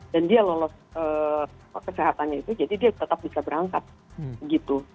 dan dia lolos kesehatannya itu jadi dia tetap bisa berangkat